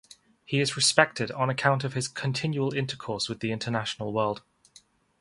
He is respected on account of his continual intercourse with the international world.